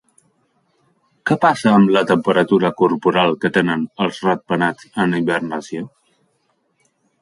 Què passa amb la temperatura corporal que tenen els ratpenats en hibernació?